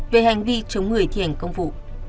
về hành vi chống người thi hành công vụ